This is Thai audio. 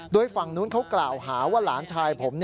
โดยฝั่งนู้นเขากล่าวหาว่าหลานชายผม